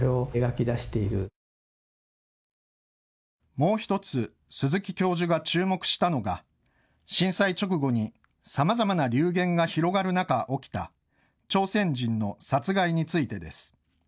もう１つ、鈴木教授が注目したのが震災直後にさまざまな流言が広がる中起きた朝鮮人の殺害についてです。